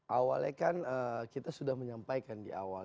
awalnya kan kita sudah menyampaikan di awal